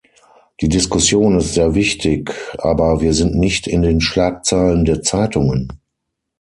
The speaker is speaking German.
Die Diskussion ist sehr wichtig, aber wir sind nicht in den Schlagzeilen der Zeitungen.